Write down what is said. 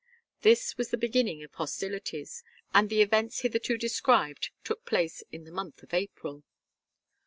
This was the beginning of hostilities, and the events hitherto described took place in the month of April.